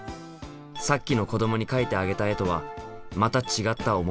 さっきの子どもに描いてあげた絵とはまた違った趣。